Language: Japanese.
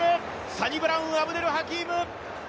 サニブラウン・アブデル・ハキーム。